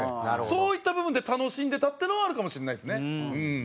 そういった部分で楽しんでたっていうのはあるかもしれないですねうん。